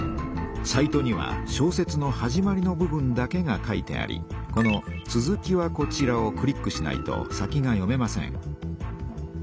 サイトには小説の始まりの部分だけが書いてありこの「続きはこちら」をクリックしないと先が読めません。